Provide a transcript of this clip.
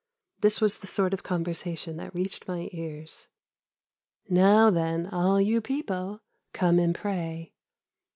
This was the sort of conversation that reached my ears. "'Now, then, all you people, come and pray.